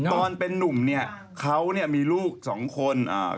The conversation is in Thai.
ตอนเป็นหนุ่มเขามีลูกสองคน